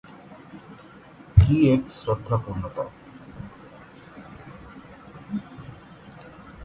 কি এক শ্রদ্ধাপূর্ণ পার্টি!